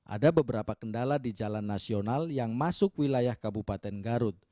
ada beberapa kendala di jalan nasional yang masuk wilayah kabupaten garut